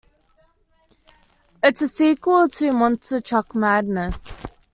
It's a sequel to "Monster Truck Madness".